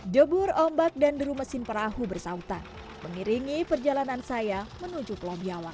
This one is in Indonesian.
debur ombak dan deru mesin perahu bersautan mengiringi perjalanan saya menuju pulau biawak